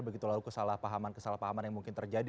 dan lalu kesalahpahaman kesalahpahaman yang mungkin terjadi